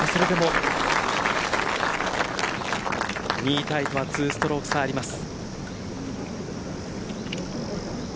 ２位タイとは２ストローク差あります。